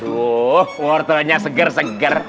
tuh wortelnya segar segar